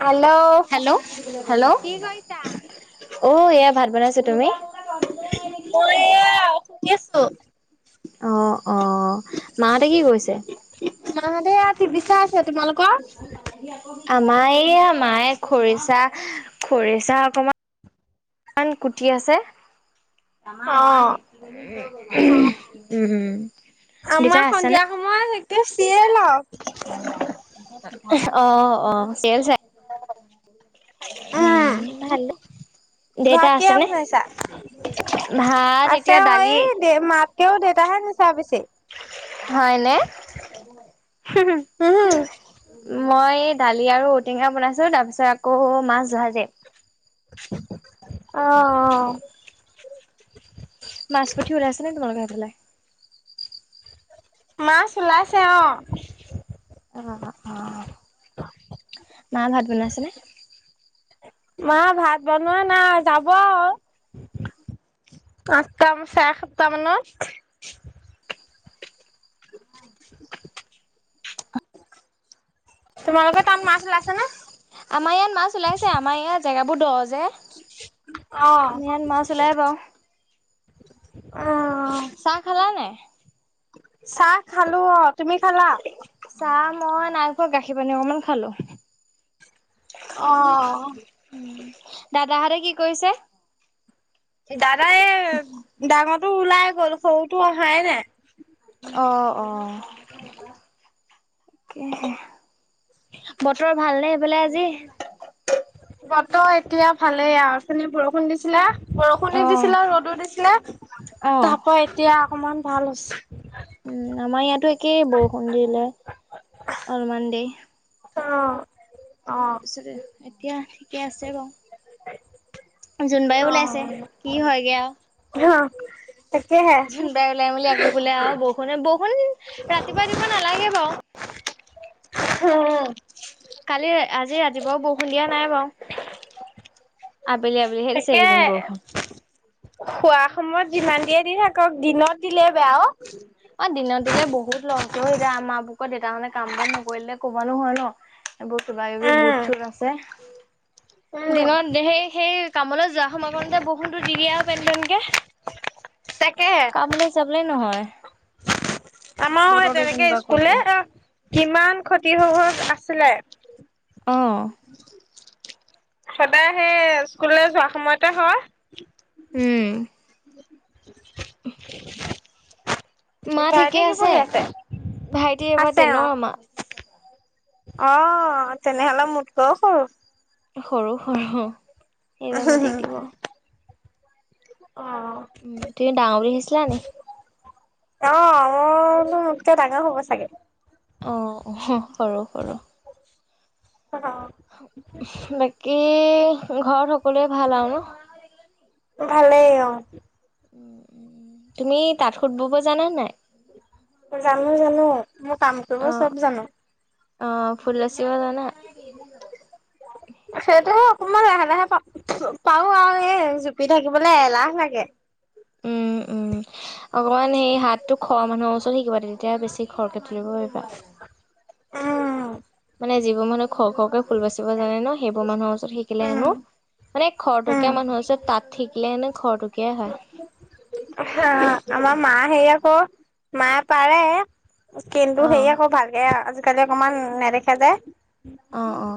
Hello hello, hello. কি কৰিছা? অঁ, এয়া ভাত বনাইছো, তুমি- মই এ শুনিছোঁ। অঁ, অঁ মাহতে কি কৰিছে? মাঁ হঁতে ইয়াত টিভি চাই। তোমালোক- আমাৰ এই মাই খৰিচা খৰিচা অকণমান- কিমান কুটি আছে। আমাৰ ওৱান অ', [unintelligible] আমাৰ সন্ধিয়া সময়ত এতিয়া চিয়েল আৰু। অঁ, অঁ চিয়েল চাই। উম, ভালে। দেউতা ভাত কিহে আছেনে বনাইছা? ভাত আছে এতিয়া অঁ দালি এই- দে মাতকেও দেউতাহে নিছা বেছি। হয় নে? অ', মই দালি আৰু ঔটেঙা বনাইছোঁ তাৰপিছত আকৌ মাছ ভাজি। অঁ, অঁ। মাছ- পুঠি ওলাইছেনে তোমালোকৰ সেইফালে? মাছ ওলাইছে অঁ। অঁ, অঁ। মায়ে ভাত বনাইছেনে? মা ভাত বনোৱা নাই, যাব আৰু। আঠটা চাৰে সাতটা মানত [inaudible] তোমালোকৰ তাত মাছ ওলাইছে নে? আমাৰ ইয়াত মাছ ওলাইছে আমাৰ ইয়াত জাগাবোৰ দ যে অহ। আমাৰ ইয়াত মাছ ওলাই বাৰু চাহ খালা নে নাই? চাহ খালো অ। তুমি খালা? চাহ মই নাইখোৱা গাখীৰ পানী অকমান খালো। অ'। উম, দাদাহঁতে কি কৰিছে? দাদা এই, ডাঙৰটো ওলাই গ'ল, সৰুটো অহাই নাই। অ', অ'। বতৰ ভালনে সেইফালে আজি? বতৰ এতিয়া ভালেই আৰু উঠনি বৰষুণ দিছিলে। অ বৰষুণো দিছিলে, ৰ'দো দিছিলে, অ তাৰপৰা এতিয়া অকমান ভাল হৈছে। উম, আমাৰ ইয়াতো একেই, বৰষুণ দিলে অলমান দেৰি। অ'। অ', তাৰপিছতে, এতিয়া ঠিকে আছে বাৰু। জোনবাই ওলাইছে কি হয়গৈ আৰু। অ তাকেহে জোনবাই উলাই মেলি আকৌ বোলে আৰু বৰষুণ, বৰষুণ ৰাতিপুৱা দিব নালাগে বাৰু। উম, কালি, আজি ৰাতিপুৱাও বৰষুণ দিয়া নাই বাৰু। আবেলি, আবেলিহে দিছে এইকেইদিন বৰষুণ। শুৱা সময়ত যিমান দিয়ে দি থাকক, দিনত দিলে বেয়া অ'। অ', দিনত দিলে বহুত লছ হৈ যায়, এতিয়া আমাৰ বোৰ ক দেউতা মানে কাম বােৰ নকৰিলে কব নহয় ন'। এইবোৰ কিবা কিবি উম, বুট ছুট আছে। উম, দিনত সেই, সেই কামলৈ যোৱা সময় কৰণতে বৰষুণটো দি দিয়ে আৰু পেন পেনকে। তাকেহে। কামলে যাবলে নহয়। আমাৰো সেই বতৰটো তেনেকে তেনেকুৱা কৰি স্কুললে দিয়ে। অ কিমান খতি হৈ হৈ আছিলে। অঁ। সদায় সেই, স্কুললৈ যোৱা সময়তে হয়। উম। [inaudible] মা ভাইতি ঠিকে কি পঢ়ি আছে, ভাইটি এইবাৰ আছে টেনৰ অ'। আমাৰ অ' তেনেহ'লে মোতকৈ সৰু। সৰু সৰু এইবাৰ মেট্ৰিক দিব। অ'। উম, তুমি ডাঙৰ বুলি ভাবিছিলা নি? অঁ মই বোলো মোতকে ডাঙৰ হ'ব চাগে। অ', সৰু সৰু। অ'। বাকী, ঘৰত সকলোৱে ভাল আৰু ন'? ভালেই অ'। তুমি তাঁত সুত ব'ব' জানা নাই? জানো, জানো, মোৰ কাম কৰিব অ', চব জানো। অ', ফুল বাচি জানা? এনেই যাব। সেইটোৱে অকমান লাহে, লাহে পাৰো আও এই জুপি থাকিবলে এলাহ লাগে। উম, উম, অকমান সেই হাতটো খৰ মানুহৰ ওচৰত শিকিবা, তেতিয়া বেছি খৰকে তুলিব পাৰিবা। উম মানে যিবোৰ মানুহে খৰ খৰকে ফুল বাচিব জানে ন', সেইবোৰ মানুহৰ ওচৰত শিকিলে উম হেনো মানে উম। খৰতকীয়া মানুহৰ ওচৰত তাত শিকিলে, খৰতকীয়াই হয়। হ হ‌ আমাৰ মা হেৰি আকৌ, মায়ে পাৰে। কিন্তু সেই অ', আকৌ ভালকে আজিকালি অকমান নেদেখে যে। অ অ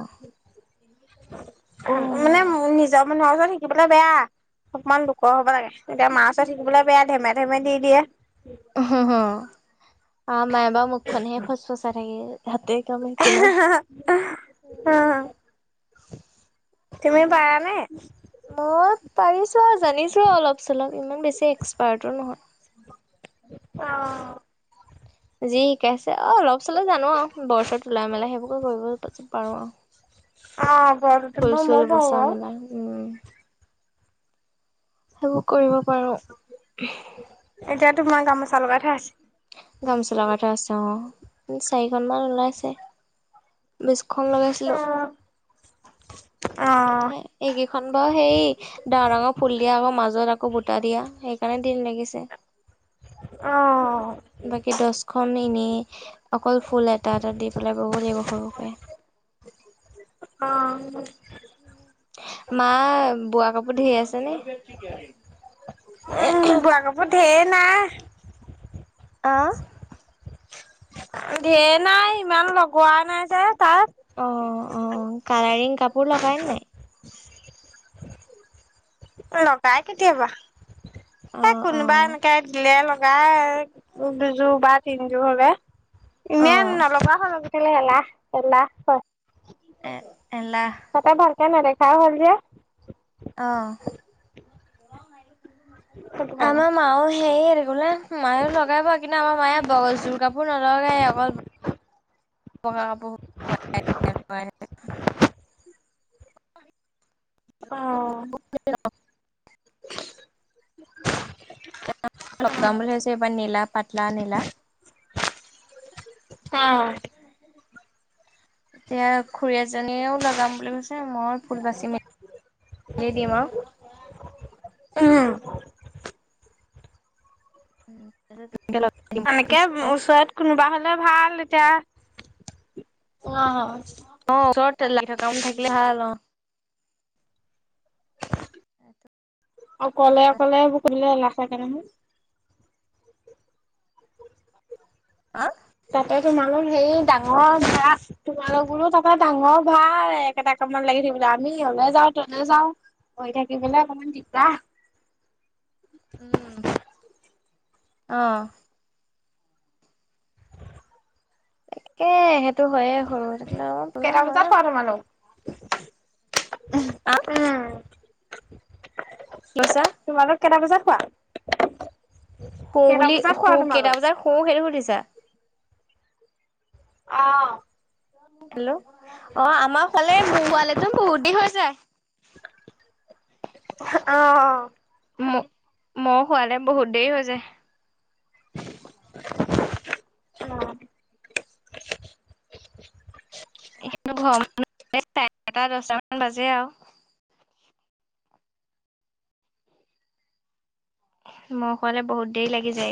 মানে অ'। নিজৰ মানুহৰ ওচৰত শিকিবলে বেয়া। অকমান লোকৰ হ'ব লাগে এতিয়া মা ওচৰত শিকিবলে বেয়া ধেমে ধেমে দি দিয়ে। হ হ আমাৰ মায়ে বা মুখখনে ফুচফুচাই থাকে হাতে কামেই একোনোৱাই [unintelligible] অ' তুমি পাৰানে? মই পাৰিছো আৰু জানিছো আৰু অলপ চলপ ইমান বেছি এক্সপাৰ্টো নহয়। অ'। যি শিকাইছে অ অলপ চলপ জানো আও বৰছৰ তোলা মেলাই সেইবোৰকে কৰিব পাৰো আৰু। অহ ফুল বৰটোলিৰ চুল মইয়ো পাওঁ বচা বাও মেলা উম সেইবোৰ কৰিব পাৰো। এতিয়া তোমাৰ গামোচা লগাই থোৱাই আছে। গামোচা লগাই থোৱা আছে অ চাৰিখনমান ওলাইছে। বিশখন লগাইছিলো। অ'। হে এইকেইখন বাৰু সেই ডাঙৰ ডাঙৰ ফুল দিয়া আকৌ মাজত আকৌ বুটা দিয়া সেইকাৰণে দিন লাগিছে। অ'। অ বাকী দছখনন এনেই অকল ফুল এটা এটা দি পেলাই বব লাগিব সৰুকে। অ'। মা বোৱা কাপোৰ ধেৰ আছে নে? উম বোৱা কাপোৰ ধেৰ নাই আহ। ধেৰ নাই ইমান লগোৱা নাই যে তাত। অ', অ' কালাৰিং কাপোৰ লগাই নে নাই। লগাই কেতিয়াবা অ এই কোনোবা অ এনেকাই দিলে লগ গাই দুযোৰ বা তিনযোৰ হলে। এনেই অ', নলগা হ'ল আজিকালি এলাহ এলাহ হয়। এ এলাহ। তাতে ভালকে নেদেখাই হ'ল যে। অহ সেইটো কাৰণে আমাৰ মাও সেই এইটো কি বোলে মায়েও লগাবই কিন্তু আমাৰ মায়ে ব জোৰ কাপোৰ নলগাই অকল বগা কাপোৰ। অ'। [unintelligible] লগাম বোলি ভাবিছোঁ নীলা পাতা নীলা। অহ' এতিয়া খুৰী এজনীয়েও লগাম বুলি কৈছে মই ফুল বাচি মিলি দিম আৰু। উ। এনেকে [unintelligible] ওচৰত কোনোবা হ'লে ভাল এতিয়া অ'। অ ওচৰত লাগি [unintelligible] থাকিলে ভাল অ'। অকলে অকলে [unintelligible] এলাহ চাগে নহয়। হা? [unintelligible] হেৰি ডাঙৰ ধৰা তোমালোকৰো [unintelligible] ডাঙৰ ভাল একেটা কামত লাগি থাকিবলৈ আমি অলে যাওঁ তলে যাওঁ। থাকিবলৈ অকমান দিগদাৰ। উম আহ। একে সেইটো হয়য়ে সৰু থাকিলে অ বোলো কেইটা বজাত হয়। খোৱা তোমালোক আ উম [inaudible] তোমালোক কেইটা বজাত শুৱা? শু কেইটা বুলি বজাত শু শুৱা কেইটা তোমালোক? বজাত শু সেইটো সুধিছা? অ। হেল্ল! অ আ আমাৰ শুলেই, মোৰ শুৱালেতো বহুত দি হৈ যায়। অ ম-মই শুৱালে বহুত দেৰি হৈ যায়। [unintelligible] অ [unintelligible] [unintelligible] দহটা মান বাজে আৰু। মই শুৱালে বহুত দেৰি লাগি যায়।